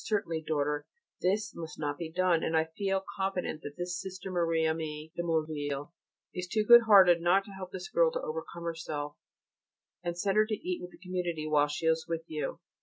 Certainly, daughter, this must not be done, and I feel confident that Sister Marie Aimée (de Morville) is too good hearted not to help this girl to overcome herself, and send her to eat with the community while she is with you.